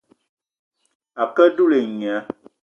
A ke á dula et nya